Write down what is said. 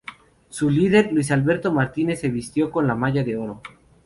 Su líder, Luis Alberto Martínez se vistió con la malla oro.